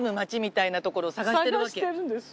探してるんです。